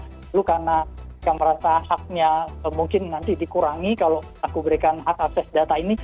lalu karena yang merasa haknya mungkin nanti dikurangi kalau aku berikan hak akses data ini